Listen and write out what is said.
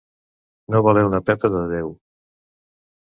No valer una pepa de deu.